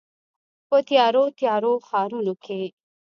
په تیارو، تیارو ښارونو کې